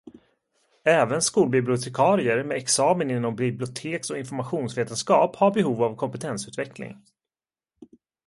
Även skolbibliotekarier med examen inom biblioteks- och informationsvetenskap har behov av kompetensutveckling.